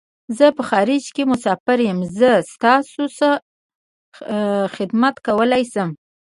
زه په خارج کی مسافر یم . زه تاسو څه خدمت کولای شم